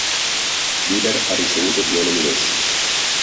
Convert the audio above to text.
Bieber ha ricevuto due nomination.